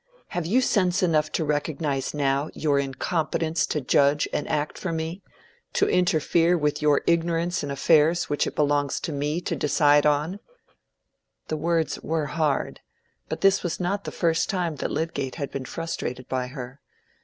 Have you sense enough to recognize now your incompetence to judge and act for me—to interfere with your ignorance in affairs which it belongs to me to decide on?" The words were hard; but this was not the first time that Lydgate had been frustrated by her.